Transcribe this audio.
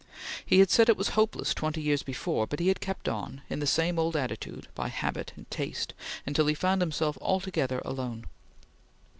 He had said it was hopeless twenty years before, but he had kept on, in the same old attitude, by habit and taste, until he found himself altogether alone.